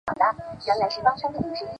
绍治三年的喜欢。